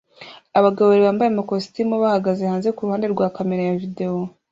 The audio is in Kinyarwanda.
Abagabo babiri bambaye amakositimu bahagaze hanze kuruhande rwa kamera ya videwo